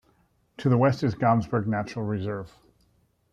To the west is Gamsberg Nature Reserve.